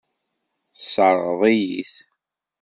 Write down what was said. Tesseṛɣeḍ-iyi-t.